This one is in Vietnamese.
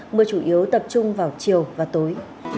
mưa chủ yếu tập trung vào chiều và tối